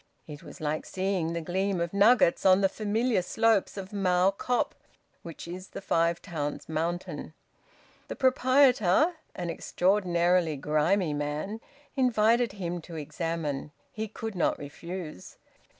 It was like seeing the gleam of nuggets on the familiar slopes of Mow Cop, which is the Five Towns' mountain. The proprietor, an extraordinarily grimy man, invited him to examine. He could not refuse.